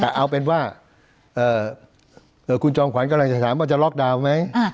แต่เอาเป็นว่าคุณจอมขวัญกำลังจะถามว่าจะล็อกดาวน์ไหม